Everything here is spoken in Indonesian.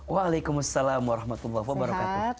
waalaikumsalam warahmatullahi wabarakatuh